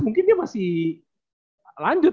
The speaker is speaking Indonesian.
mungkin dia masih lanjut